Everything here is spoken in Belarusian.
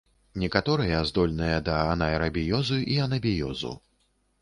Некаторыя здольныя да анаэрабіёзу і анабіёзу.